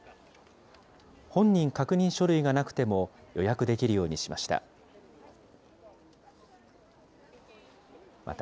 本人確認書類がなくても予約できるようにしました。